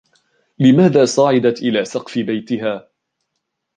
لماذا صعدت إلى سقف بيتها ؟